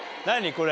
これ。